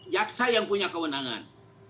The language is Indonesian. jaksa yang punya kewenangan